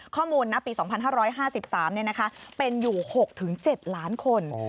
ณปี๒๕๕๓เป็นอยู่๖๗ล้านคน